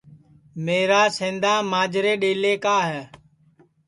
میرا سیندا ماجرے ڈؔیلیں کا ہے